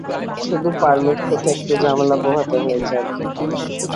শুধু, পারমিট পেতে একটু ঝামেলা পোহাতে হয়েছে আরকি।